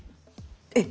えっ！